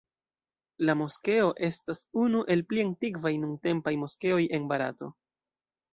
La moskeo estas unu el pli antikvaj nuntempaj moskeoj en Barato.